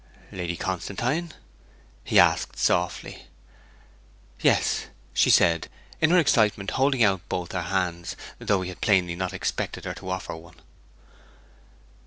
'Lady Constantine?' he asked softly. 'Yes,' she said, in her excitement holding out both her hands, though he had plainly not expected her to offer one.